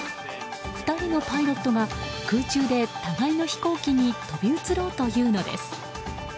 ２人のパイロットが空中で互いの飛行機に飛び移ろうというのです。